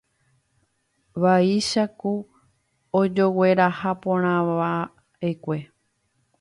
Vaicháku ojoguerahaporãtavaʼekue.